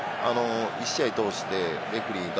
１試合通してレフェリーが、